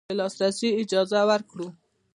د لاسرسي اجازه ورکړي